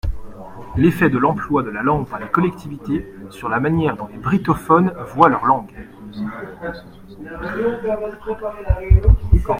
L’effet de l’emploi de la langue par les collectivités sur la manière dont les brittophones voient leur langue.